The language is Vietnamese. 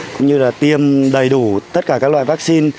cũng như là tiêm đầy đủ tất cả các loại vaccine